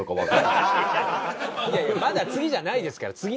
いやまだ次じゃないですから。